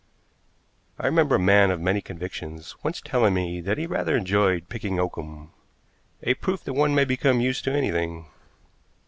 I remember a man of many convictions once telling me that he rather enjoyed picking oakum, a proof that one may become used to anything.